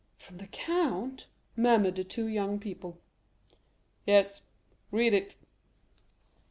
"From the count!" murmured the two young people. "Yes; read it."